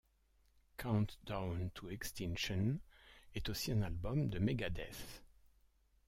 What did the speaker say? Countdown to Extinction est aussi un album de Megadeth.